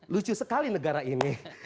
lucu sekali negara ini